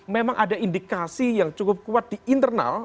memang ada indikasi yang cukup kuat di internal